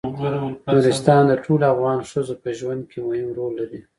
نورستان د ټولو افغان ښځو په ژوند کې مهم رول لري.